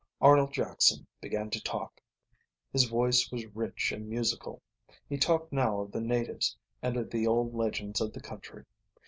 Arnold Jackson began to talk. His voice was rich and musical. He talked now of the natives and of the old legends of the country.